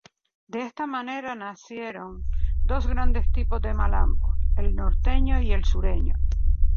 De esta manera, nacieron dos grandes tipos de malambo: el "norteño" y el "sureño".